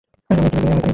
আমি এত্ত বৃদ্ধ নই।